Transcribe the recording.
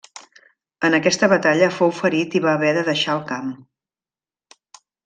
En aquesta batalla fou ferit i va haver de deixar el camp.